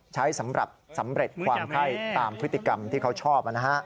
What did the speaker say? ใช้สำหรับสำเร็จความไข้ตามพฤติกรรมที่เขาชอบ